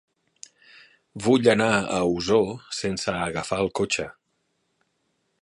Vull anar a Osor sense agafar el cotxe.